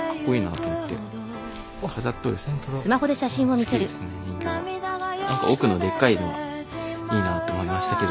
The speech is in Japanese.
あと奥のでかいのはいいなと思いましたけど。